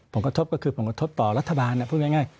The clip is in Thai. ผลกระทบก็คือผลกระทบต่อรัฐบาลพูดง่าย